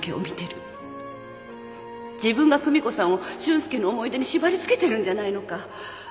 自分が久美子さんを俊介の思い出に縛り付けてるんじゃないのか。